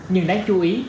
nhưng đáng chú ý